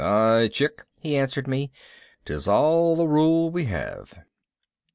"Aye, chick," he answered me. "'Tis all the rule we have!"